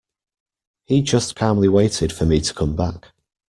He just calmly waited for me to come back.